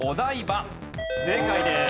正解です。